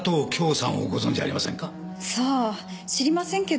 さあ知りませんけど。